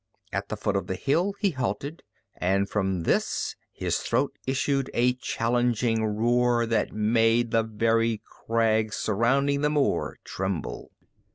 At the foot of the hill he halted and from his throat issued a challenging roar that made the very crags surrounding the moor tremble.